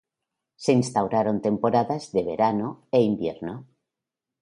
Se instauraron temporadas de verano e invierno.